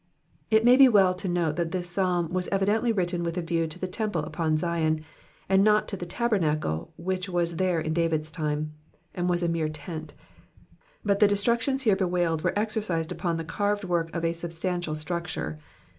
It may be well to note that this Psalm was evidently written with a view to the temple upon Zion, and not to the tabernacle which was there in David's time, and was a mere tent ; but the destructions here bewailed were exercised upon the carved work of a substantial structure.